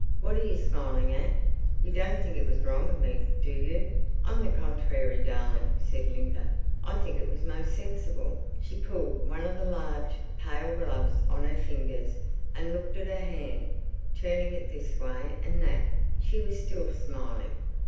What are you smiling at? You don't think it was wrong of me, do you?" "On the con trary, darling," said Linda, "I think it was most sensible." She pulled one of the large, pale gloves on her own fingers and looked at her hand, turning it this way and that. She was still smiling.